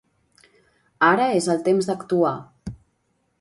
Ara és el temps d'actuar.